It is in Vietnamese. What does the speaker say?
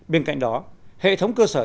bên cạnh đó hệ thống cơ sở